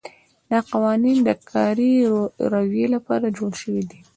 دا قوانین د کاري رویې لپاره جوړ شوي دي.